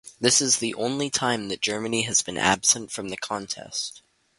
This is the only time that Germany has been absent from the contest.